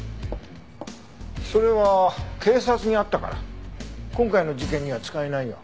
それは警察にあったから今回の事件には使えないよ。